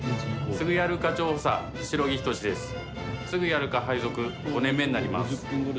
すぐやる課配属５年目になります。